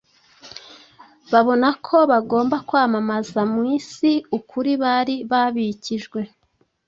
babona ko bagomba kwamamaza mu isi ukuri bari babikijwe.